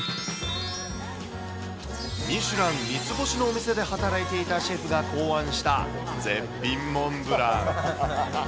ミシュラン３つ星のお店で働いていたシェフが考案した絶品モンブラン。